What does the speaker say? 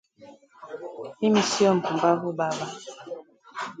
Mimi sio mpumbavu baba